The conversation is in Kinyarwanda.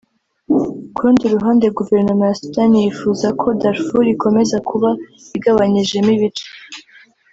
Ku rundi ruhande guverinoma ya Sudani yifuza ko Darfour ikomeza kuba igabanyijemo ibice